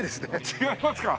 違いますか。